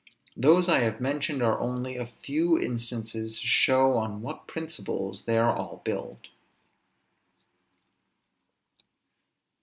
Those I have mentioned are only a few instances to show on what principles they are all built.